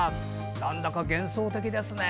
なんだか幻想的ですね。